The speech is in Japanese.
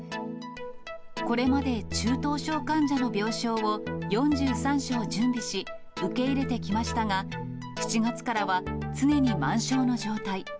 これまで中等症患者の病床を４３床準備し、受け入れてきましたが、７月からは常に満床の状態。